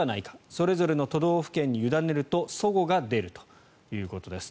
それぞれの都道府県に委ねると齟齬が出るということです。